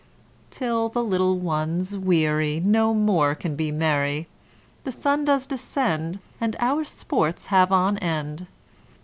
'' Till the little ones, weary, No more can be merry; The sun does descend, And our sports have on end.